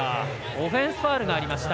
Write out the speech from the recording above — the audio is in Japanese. オフェンスファウルがありました。